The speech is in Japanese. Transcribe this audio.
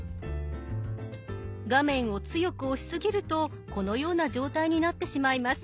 画面を強く押しすぎるとこのような状態になってしまいます。